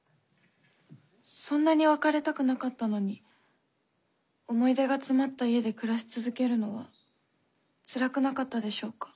そんなに別れたくなかったのに思い出が詰まった家で暮らし続けるのはつらくなかったでしょうか？